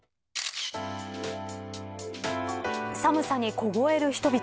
寒さに凍える人々。